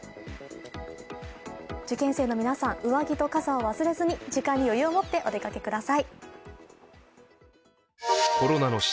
受験生の皆さん、上着と傘を忘れずに時間に余裕を持ってお出かけください。